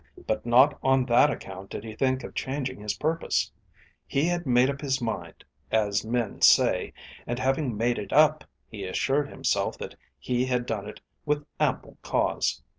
But not on that account did he think of changing his purpose. He had made up his mind, as men say, and having made it up he assured himself that he had done it with ample cause.